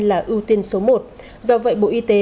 là ưu tiên số một do vậy bộ y tế